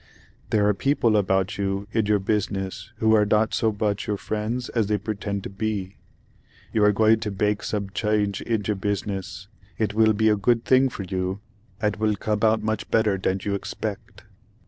There are people about you id your busidess who are dot so buch your friends as they preted to be—you are goidg to bake sub chadge id your busidess, it will be a good thidg for you add will cub out buch better thad you expect."